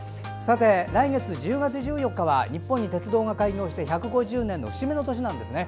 来月１０月１４日は日本に鉄道が開業して１５０年という節目の年なんですね。